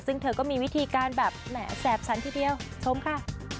ซึ่งเธอก็มีวิธีการแบบแหมแสบสันทีเดียวชมค่ะ